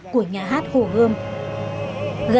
của những người khán giả